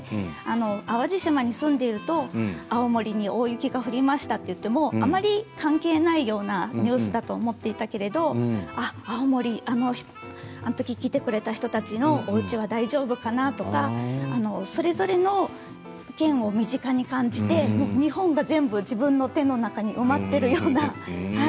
淡路島に住んでいると青森に大雪が降りましたと言ってもあまり関係ないようなニュースだと思っていたけれど青森、あのとき来てくれた人たちのおうちは大丈夫かなとかそれぞれの県を身近に感じて日本が全部自分の手の中に埋まっているような。